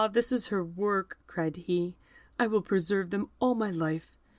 this is her work," cried he; "I will preserve them all my life."